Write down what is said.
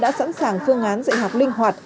đã sẵn sàng phương án dạy học linh hoạt